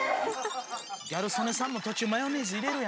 ギャル曽根さんも途中マヨネーズ入れるやん。